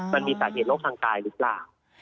มันมีสาเหตุโรคทางกายหรือเปล่า